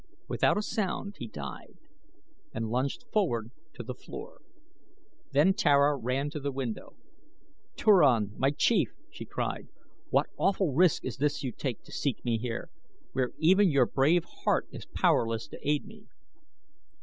Without a sound he died and lunged forward to the floor. Then Tara ran to the window. "Turan, my chief!" she cried. "What awful risk is this you take to seek me here, where even your brave heart is powerless to aid me."